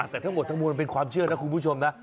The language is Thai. แต่ทั้งหมดทั้งมวลมันเป็นความเชื่อนะคุณผู้ชมนะ